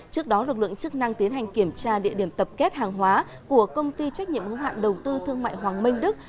trước đó lực lượng chức năng tiến hành kiểm tra địa điểm tập kết hàng hóa của công ty trách nhiệm hữu hạn đầu tư thương mại hoàng minh đức